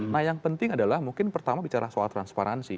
nah yang penting adalah mungkin pertama bicara soal transparansi